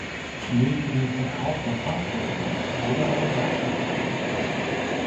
Neben dem Verkauf der Fahrzeuge wurde eine Werkstatt betrieben.